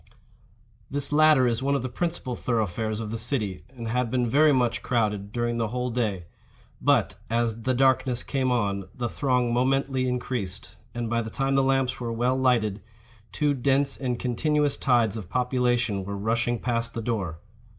This latter is one of the principal thoroughfares of the city, and had been very much crowded during the whole day. But, as the darkness came on, the throng momently increased; and, by the time the lamps were well lighted, two dense and continuous tides of population were rushing past the door.